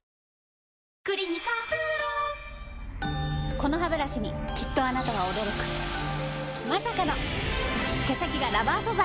このハブラシにきっとあなたは驚くまさかの毛先がラバー素材！